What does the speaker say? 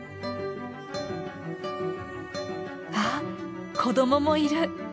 あ子供もいる。